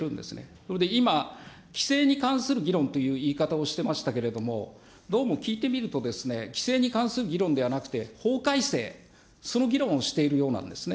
それで今、規制に関する議論という言い方をしてましたけども、どうも聞いてみるとですね、規制に関する議論ではなくて、法改正、その議論をしているようなんですね。